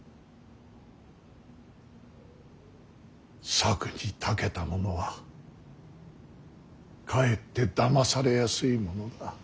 策にたけた者はかえってだまされやすいものだ。